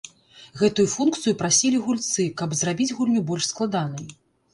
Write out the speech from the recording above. Гэтую функцыю прасілі гульцы, каб зрабіць гульню больш складанай.